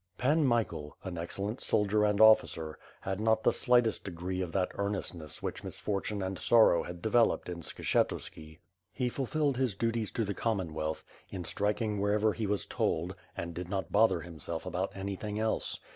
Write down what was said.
Pan Michael, an excellent soldier and officer, had not the slightest degree cfi that earnestness which misfortune and sorrow had developed in Skshetuski. He fulfilled his duties to the Commonwealth, in striking wherever he was told, and did not bother himself about anything else.